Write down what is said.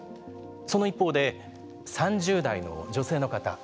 その一方で、３０代の女性の方。